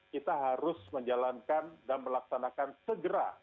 kita harus menjalankan dan melaksanakan segera